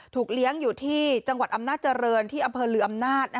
เลี้ยงอยู่ที่จังหวัดอำนาจเจริญที่อำเภอลืออำนาจ